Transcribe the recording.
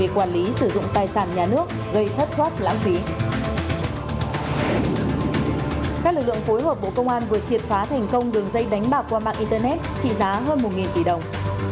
các bộ công an vừa triệt phá thành công đường dây đánh bạc qua mạng internet trị giá hơn một tỷ đồng